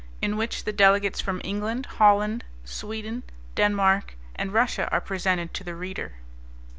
IN WHICH THE DELEGATES FROM ENGLAND, HOLLAND, SWEDEN, DENMARK AND RUSSIA ARE PRESENTED TO THE READER.